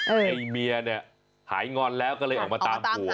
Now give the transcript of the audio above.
ไอ้เมียเนี่ยหายงอนแล้วก็เลยออกมาตามผัว